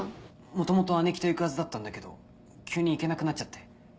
元々姉貴と行くはずだったんだけど急に行けなくなっちゃって。